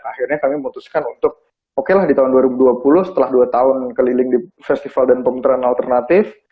akhirnya kami memutuskan untuk oke lah di tahun dua ribu dua puluh setelah dua tahun keliling di festival dan peminteran alternatif